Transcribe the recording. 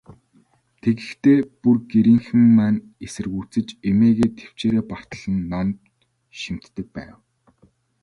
Тэгэхдээ, бүр гэрийнхэн маань эсэргүүцэж, эмээгээ тэвчээрээ бартал нь номд шимтдэг байв.